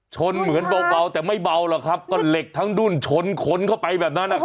เหมือนเบาแต่ไม่เบาหรอกครับก็เหล็กทั้งดุ้นชนคนเข้าไปแบบนั้นนะครับ